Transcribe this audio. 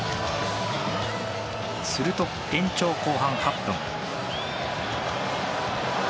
すると、延長後半８分。